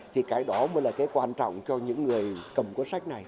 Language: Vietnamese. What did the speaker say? thì cái đó mới là cái quan trọng cho những người cầm cuốn sách này